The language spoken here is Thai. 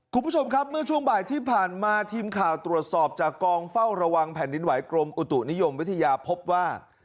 คุณผู้ชมครับเมื่อช่วงบ่ายที่ผ่านมาทีมข่าวตรวจสอบจากกองเฝ้าระวังแผ่นดินไหวกรมอุตุนิยมวิทยาพบว่า